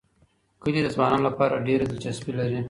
کلي د ځوانانو لپاره ډېره دلچسپي لري.